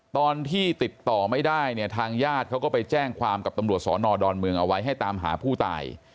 ตอนที่ติดต่อไม่ได้เนี่ยทางญาติเขาก็ไปแจ้งความกับตำรวจสอนอดอนเมืองเอาไว้ให้ตามหาผู้ตาย